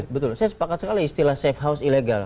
betul saya sepakat sekali istilah safe house illegal